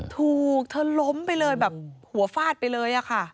ถูกเธอล้มไปเลยแบบหัวฟาดไปเลยอะค่ะ